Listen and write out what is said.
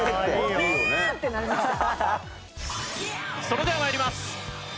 それでは参ります。